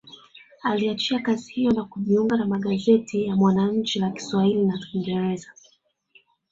Aliacha kazi hiyo na kujiunga na magazeti ya Mwananchi la Kiswahili na kingereza